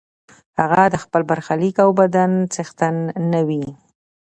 هغه د خپل برخلیک او بدن څښتن نه وي.